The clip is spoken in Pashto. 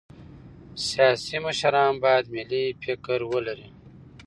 سیاسي مشران باید ملي فکر ولري